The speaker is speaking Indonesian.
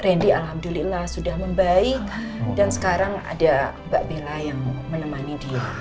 randy alhamdulillah sudah membaik dan sekarang ada mbak bella yang menemani dia